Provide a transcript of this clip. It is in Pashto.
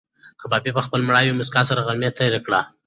کبابي په خپله مړاوې موسکا سره غرمه تېره کړه.